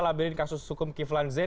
laberin kasus hukum kiflan z